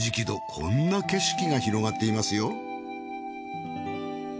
こんな景色が広がっていますよ。